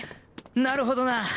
なるほどな。